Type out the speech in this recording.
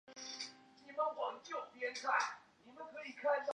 负担家庭照顾的主要角色